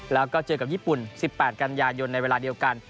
แล้วก็เจอกับญี่ปุ่น๑๘กันยายนในเวลาเดียวกัน